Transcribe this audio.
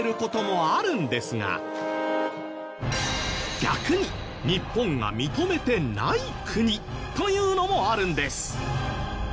逆に日本が認めてない国というのもあるんです。